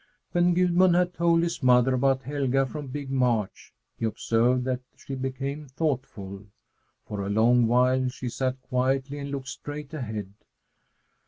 When Gudmund had told his mother about Helga from Big Marsh, he observed that she became thoughtful. For a long while she sat quietly and looked straight ahead.